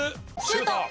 シュート！